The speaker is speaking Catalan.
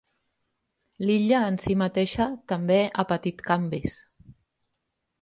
L'illa en si mateixa també ha patit canvis.